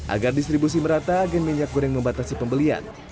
agar distribusi merata agen minyak goreng membatasi pembelian